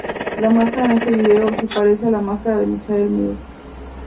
La máscara en este vídeo, se parece a la máscara de Michael Myers.